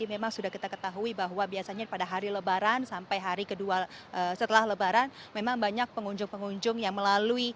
memang sudah kita ketahui bahwa biasanya pada hari lebaran sampai hari kedua setelah lebaran memang banyak pengunjung pengunjung yang melalui